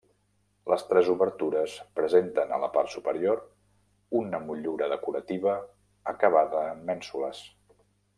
Les tres obertures presenten, a la part superior, una motllura decorativa acabada en mènsules.